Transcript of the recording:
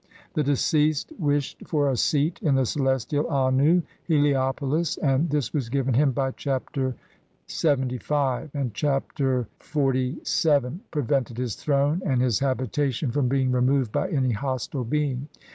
The deceased wished for a seat in the celestial Annu (Heliopolis), and this was given him by Chapter LXXV, and Chapter XLVII prevented his throne and his habitation from being removed by any hostile being.